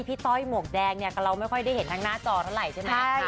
ต้อยหมวกแดงเนี่ยเราไม่ค่อยได้เห็นทางหน้าจอเท่าไหร่ใช่ไหม